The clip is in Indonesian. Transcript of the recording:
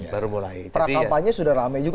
prakampannya sudah ramai juga